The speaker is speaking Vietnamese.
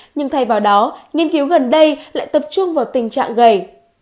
nhưng thay vào đó nghiên cứu gần đây lại tập trung vào tình trạng gầy